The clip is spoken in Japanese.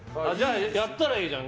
やったらいいじゃん。